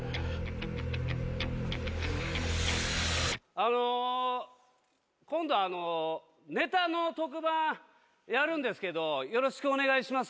あの今度ネタの特番やるんですけどよろしくお願いします